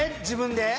自分で？